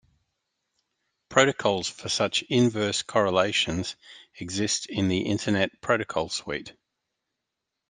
Protocols for such inverse correlations exist in the Internet Protocol Suite.